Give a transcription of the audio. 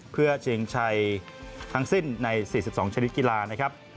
เพื่อชิงชัยทั้งสิ้นใน๔๒ชนิดกีฬานะครับ